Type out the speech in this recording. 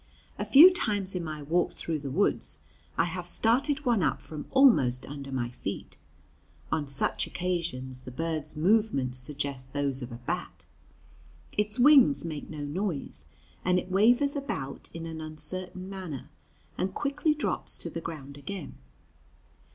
A few times in my walks through the woods I have started one up from almost under my feet. On such occasions the bird's movements suggest those of a bat; its wings make no noise, and it wavers about in an uncertain manner, and quickly drops to the ground again.